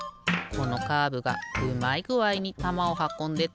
このカーブがうまいぐあいにたまをはこんでたよね。